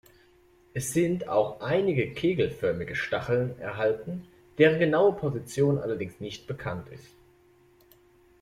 Es sind auch einige kegelförmige Stacheln erhalten, deren genaue Position allerdings nicht bekannt ist.